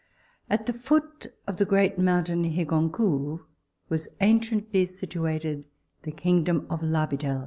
_ At the foot of the great mountain Hirgonqúu was anciently situated the kingdom of Larbidel.